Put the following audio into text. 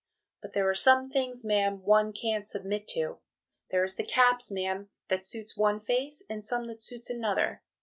But there are some things, Ma'am, one can't submit to. There is the Caps, Ma'am, that suits one face, and some that suits another.